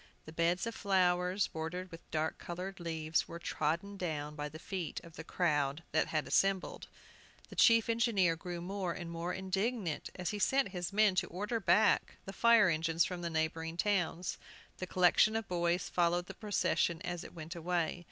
The beds of flowers, bordered with dark colored leaves, were trodden down by the feet of the crowd that had assembled. The chief engineer grew more and more indignant, as he sent his men to order back the fire engines from the neighboring towns. The collection of boys followed the procession as it went away.